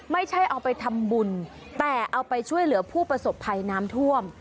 ไม่ใช่เอาไปทำบุญแต่เอาไปช่วยเหลือผู้ประสบภัยน้ำท่วม